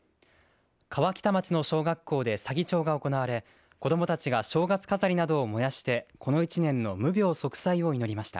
川北町の小学校で左義長が行われ子どもたちが正月飾りなどを燃やしてこの一年の無病息災を祈りました。